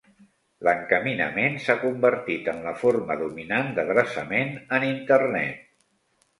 L'encaminament s'ha convertit en la forma dominant d'adreçament en Internet.